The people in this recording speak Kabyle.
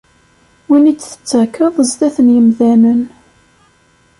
Win i d-tettakeḍ, zdat n yemdanen.